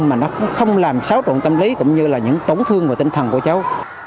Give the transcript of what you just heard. mà nó không làm xáo động tâm lý cũng như là những tổn thương vào tinh thần của cháu